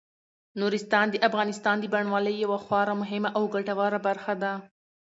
نورستان د افغانستان د بڼوالۍ یوه خورا مهمه او ګټوره برخه ده.